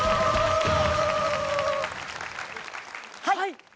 はい！